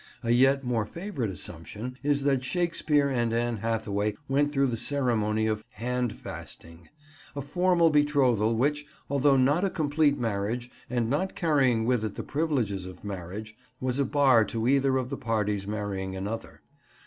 A yet more favourite assumption is that Shakespeare and Anne Hathaway went through the ceremony of "hand fasting," a formal betrothal which, although not a complete marriage and not carrying with it the privileges of marriage was a bar to either of the parties marrying another.